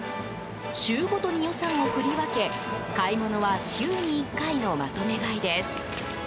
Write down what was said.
週ごとに予算を振り分け買い物は週に１回のまとめ買いです。